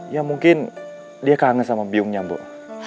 ya mungkin dia kangen sama biungnya bu